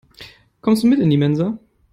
Kommst du mit in die Mensa?